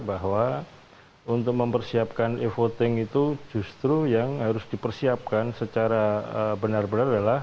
bahwa untuk mempersiapkan e voting itu justru yang harus dipersiapkan secara benar benar adalah